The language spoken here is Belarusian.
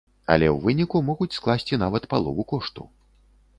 Але ў выніку могуць скласці нават палову кошту.